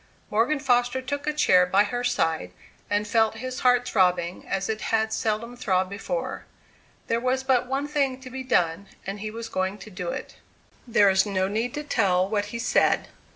Morgan Foster took a chair by her side, and felt his heart throbbing as it had seldom throbbed before. There was but one thing to be done, and he was going to do it. There is no need to tell what he said.